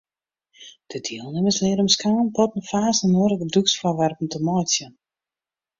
De dielnimmers leare om skalen, potten, fazen en oare gebrûksfoarwerpen te meitsjen.